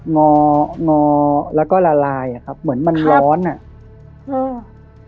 งองอแล้วก็ละลายอ่ะครับเหมือนมันร้อนอ่ะอืม